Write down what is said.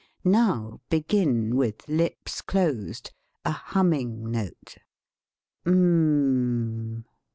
Now begin, with lips closed, a hum \ ming note, m m m.